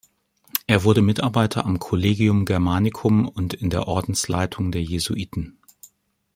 Er wurde Mitarbeiter am Collegium Germanicum und in der Ordensleitung der Jesuiten.